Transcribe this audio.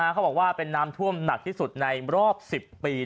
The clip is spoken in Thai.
เขาบอกว่าเป็นน้ำท่วมหนักที่สุดในรอบ๑๐ปี